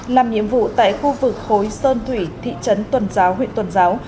làm nhiệm vụ tại khu vực khối sơn thủy thị trấn tuần giáo huyện tuần giáo